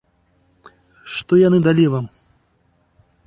Што яны далі вам?